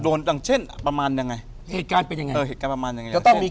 โดนต่างเช่นประมาณยังไง